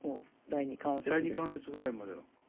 第２関節ぐらいまでだ。